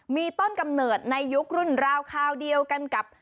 มีต้นกำเนิดในยุครุ่นราวคราวเดียวกันกับ